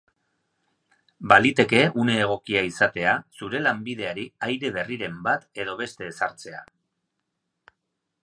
Baliteke une egokia izatea zure lanbideari aire berriren bat edo beste ezartzea.